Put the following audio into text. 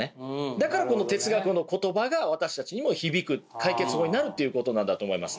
だからこの哲学の言葉が私たちにも響く解決法になるということなんだと思います。